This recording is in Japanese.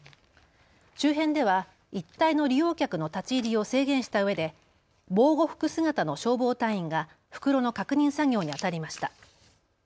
周辺では一帯の利用客の立ち入りを制限したうえで防護服姿の消防隊員が袋の確認作業にあたりました。